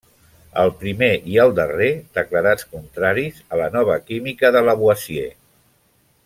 El primer i el darrer, declarats contraris a la nova química de Lavoisier.